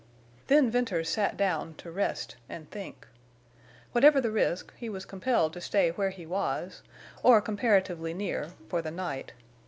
Then Venters sat down to rest and think. Whatever the risk, he was compelled to stay where he was, or comparatively near, for the night.